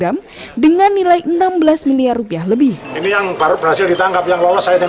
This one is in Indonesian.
dari tangan yt polisi menyita barang bukti sebesar empat kg